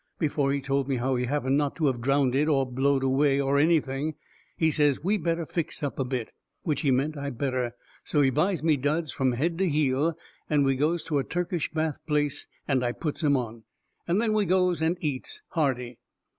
Before he told me how he happened not to of drownded or blowed away or anything he says we better fix up a bit. Which he meant I better. So he buys me duds from head to heel, and we goes to a Turkish bath place and I puts 'em on. And then we goes and eats. Hearty.